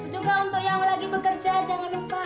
juga untuk yang lagi bekerja jangan lupa